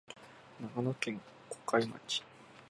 長野県小海町